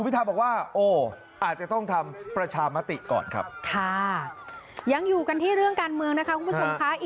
ผมยังไม่เห็นตัวเลขนะครับก็เลยยังให้คอมเมนต์ไม่ได้